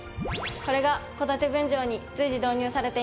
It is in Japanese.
これが戸建て分譲に随時導入されています。